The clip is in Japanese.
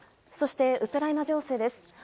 そしてウクライナ情勢です。